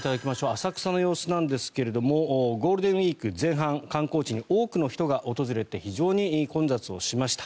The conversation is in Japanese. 浅草の様子なんですがゴールデンウィーク前半観光地に多くの人が訪れて非常に混雑しました。